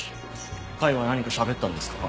甲斐は何かしゃべったんですか？